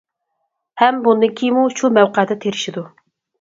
ھەم بۇندىن كېيىنمۇ شۇ مەۋقەدە تىرىشىدۇ.